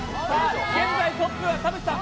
現在トップは田渕さん。